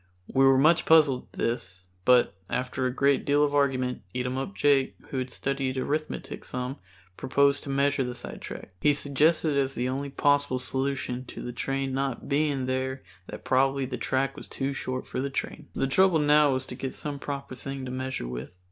We were much puzzled at this, but after a great deal of argument Eatumup Jake, who had studied Arithmetic some, proposed to measure the sidetrack. He suggested as the only possible solution to the train not being there that probably the track was too short for the train. The trouble now was to get some proper thing to measure with.